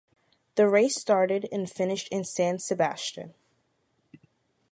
The race started and finished in San Sebastián.